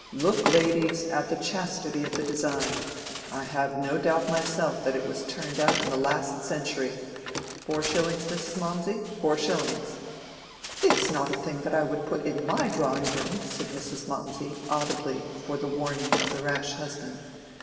Look, ladies, at the chastity of the design—I have no doubt myself that it was turned out in the last century! Four shillings, Mr. Mawmsey?—four shillings." "It's not a thing I would put in my drawing room," said Mrs. Mawmsey, audibly, for the warning of the rash husband.